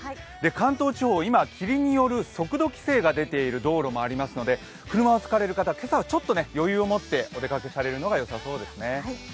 関東地方、今、霧による速度規制が出ている道路もありますので車を使われる方、今朝はちょっと余裕を持ってお出かけされるのがよさそうですね。